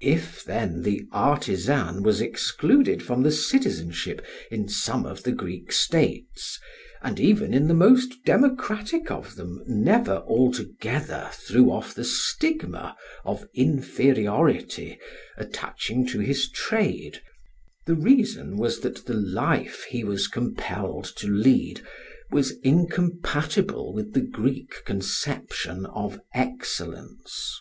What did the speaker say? [Footnote: Ibid. i. 1260 a 34.] If then the artisan was excluded from the citizenship in some of the Greek states, and even in the most democratic of them never altogether threw off the stigma of inferiority attaching to his trade, the reason was that the life he was compelled to lead was incompatible with the Greek conception of excellence.